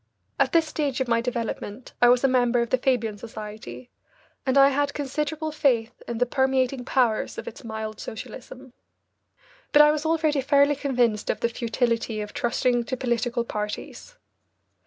At this stage of my development I was a member of the Fabian Society, and I had considerable faith in the permeating powers of its mild socialism. But I was already fairly convinced of the futility of trusting to political parties.